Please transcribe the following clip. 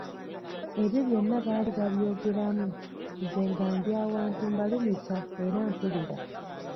Ebyo byonna baali babyogeramu nze nga ndi awantu mbalumika era mpulira.